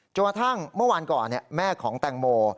กระทั่งเมื่อวานก่อนแม่ของแตงโม